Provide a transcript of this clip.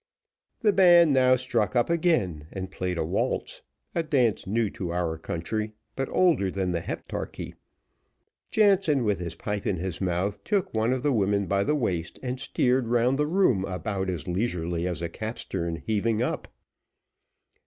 The band now struck up again, and played a waltz a dance new to our country, but older than the heptarchy. Jansen, with his pipe in his mouth, took one of the women by the waist, and steered round the room about as leisurely as a capstern heaving up.